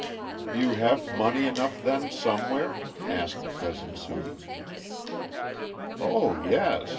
"You have money enough, then, somewhere?" asked Cousin Sudie. "O yes!